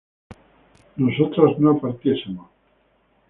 nosotras no partiésemos